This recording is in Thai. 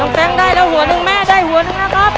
แฟ้งได้แล้วหัวหนึ่งแม่ได้หัวนึงนะครับ